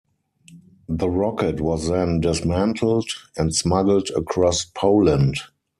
The rocket was then dismantled and smuggled across Poland.